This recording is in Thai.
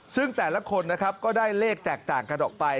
ซึ่งแต่ละคนนะครับก็ได้เลขแตกต่างกันออกไป